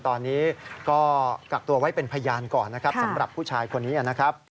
ตอนนี้ก็กักตัวไว้เป็นพยานก่อนนะครับสำหรับผู้ชายคนนี้นะครับ